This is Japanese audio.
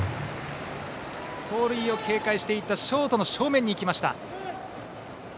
盗塁を警戒していたショートの正面に行きました。